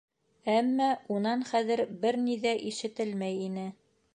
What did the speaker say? Әммә унан хәҙер бер ни ҙә ишетелмәй ине...